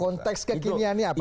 konteks kekiniannya apa